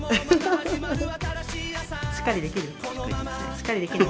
しっかりできる？